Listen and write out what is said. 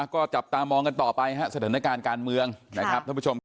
ก็จับตามองกันต่อไปสถานการณ์การเมืองทุกผู้ชม